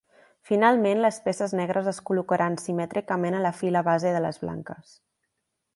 Finalment les peces negres es col·locaran simètricament a la fila base de les blanques.